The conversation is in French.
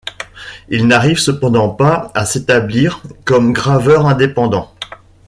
Il n'arrive cependant pas à s'établir comme graveur indépendant.